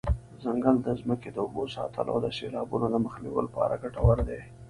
ځنګل د ځمکې د اوبو ساتلو او د سیلابونو د مخنیوي لپاره ګټور دی.